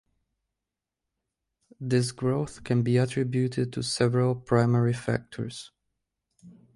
This growth can be attributed to several primary factors.